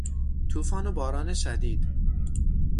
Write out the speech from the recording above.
توفان و باران شدید